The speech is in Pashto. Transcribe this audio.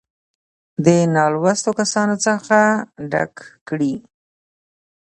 دې نـالـوسـتو کسـانـو څـخـه ډک کـړي.